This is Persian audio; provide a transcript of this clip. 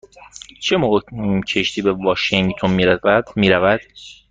چه موقع کشتی به واشینگتن می رود؟